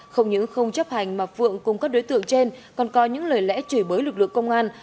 không những không chấp hành mà phượng cùng các đối tượng trên còn có những lời lẽ chửi bới lực lượng công an